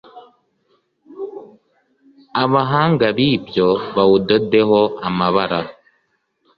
abahanga b ibyo bawudodeho amabara